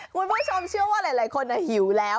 คุณผู้ชมเชื่อว่าหลายคนหิวแล้ว